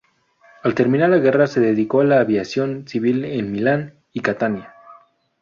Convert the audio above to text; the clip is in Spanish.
Al terminar la guerra se dedicó a la aviación civil en Milán y Catania.